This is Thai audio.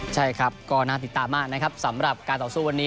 ใช่ครับก็น่าติดตามมากนะครับสำหรับการต่อสู้วันนี้